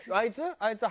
「あいつ？